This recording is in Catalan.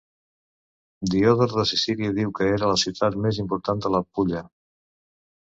Diodor de Sicília diu que era la ciutat més important de la Pulla.